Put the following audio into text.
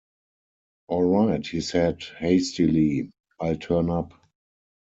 "All right," he said hastily, "I'll turn up."